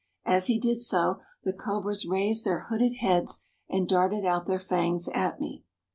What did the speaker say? As he did so, the cobras raised their hooded heads and darted out their fangs at me.